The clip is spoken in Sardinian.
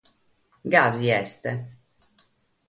Gasi est.